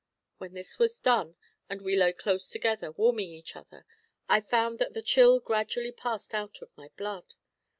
When this was done, and we lay close together, warming each other, I found that the chill gradually passed out of my blood.